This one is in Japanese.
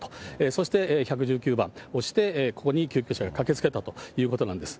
そして１１９番をして、ここに救急車が駆けつけたということなんです。